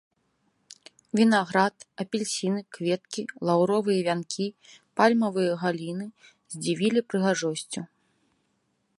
Вінаград, апельсіны, кветкі, лаўровыя вянкі, пальмавыя галіны здзівілі прыгожасцю.